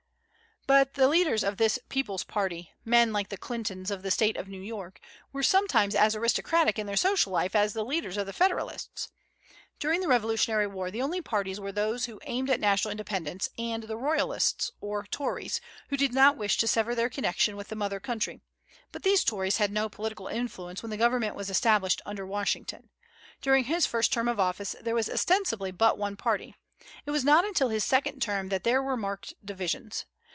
But the leaders of this "people's party," men like the Clintons of the State of New York, were sometimes as aristocratic in their social life as the leaders of the Federalists. During the Revolutionary War the only parties were those who aimed at national independence, and the Royalists, or Tories, who did not wish to sever their connection with the mother country; but these Tories had no political influence when the government was established under Washington. During his first term of office there was ostensibly but one party. It was not until his second term that there were marked divisions.